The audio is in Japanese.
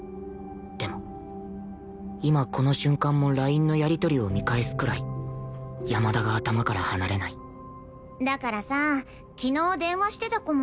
でも今この瞬間もラインのやりとりを見返すくらい山田が頭から離れないだからさ昨日電話してた子も。